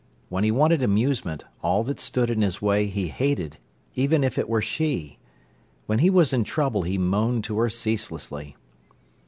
When he wanted amusement, all that stood in his way he hated, even if it were she. When he was in trouble he moaned to her ceaselessly.